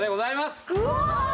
うわ！